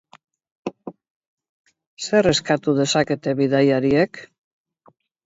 Zer eskatu dezakete bidaiariek?